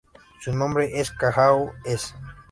Su nombre en kazajo es "Шымкент хайуанханасы".